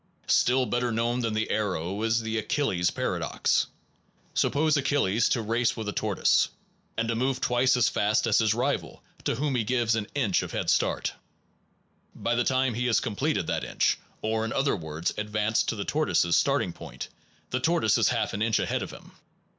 Still better known than the arrow is the * Achilles paradox. Suppose Achilles to race with a tortoise, and to move twice as fast as his rival, to whom he gives an inch of head start. By the time he has completed that inch, or in other words advanced to the tortoise s starting point, the tortoise is half an inch ahead of him.